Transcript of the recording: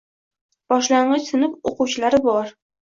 Boshlang‘ich sinf o‘quvchilari bor.